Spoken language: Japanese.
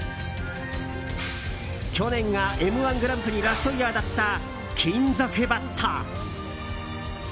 去年が「Ｍ‐１グランプリ」ラストイヤーだった金属バット！